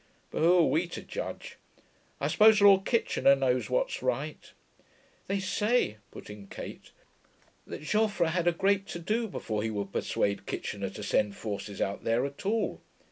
But who are we to judge? I suppose Lord Kitchener knows what's right.' 'They say,' put in Kate, 'that Joffre had a great to do before he could persuade Kitchener to send forces out there at all.